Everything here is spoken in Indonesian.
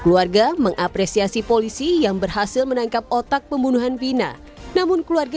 keluarga mengapresiasi polisi yang berhasil menangkap otak pembunuhan bina namun keluarga